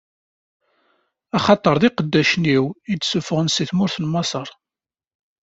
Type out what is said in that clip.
Axaṭer d iqeddacen-iw i d-ssufɣeɣ si tmurt n Maṣer.